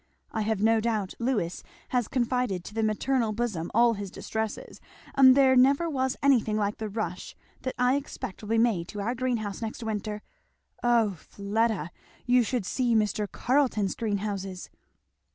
I have no doubt Lewis has confided to the maternal bosom all his distresses; and there never was anything like the rush that I expect will be made to our greenhouse next winter. O Fleda, you should see Mr. Carleton's greenhouses!"